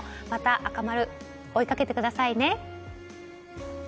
また赤丸、追いかけてくださいね。